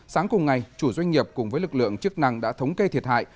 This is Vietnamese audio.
sáng cùng ngày chủ doanh nghiệp cùng với lực lượng chức năng đã thống kê thiệt hại